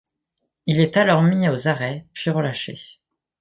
Il est alors mis aux arrêts puis relâché.